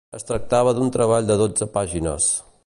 Es tractava d'un treball de dotze pàgines.